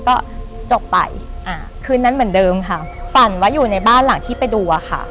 ก็จบไปอ่าคืนนั้นเหมือนเดิมค่ะฝันว่าอยู่ในบ้านหลังที่ไปดูอะค่ะ